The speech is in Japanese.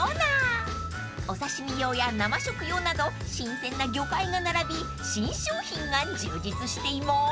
［お刺し身用や生食用など新鮮な魚介が並び新商品が充実しています！］